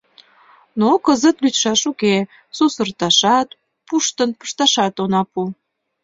Но кызыт лӱдшаш уке: сусырташат, пуштын пышташат она пу.